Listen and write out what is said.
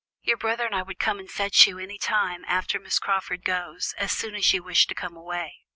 Your brother and I would come and fetch you any time, after Miss Crawford goes, as soon as you wish to come away."